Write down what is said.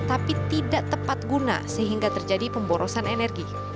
tapi tidak tepat guna sehingga terjadi pemborosan energi